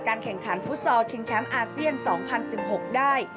แข่งขันฟุตซอลชิงแชมป์อาเซียน๒๐๑๖ได้